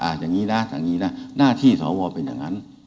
อย่างนี้นะอย่างนี้นะหน้าที่สวเป็นอย่างนั้น